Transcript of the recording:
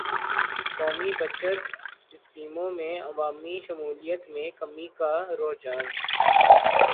قومی بچت اسکیموں میں عوامی شمولیت میں کمی کا رحجان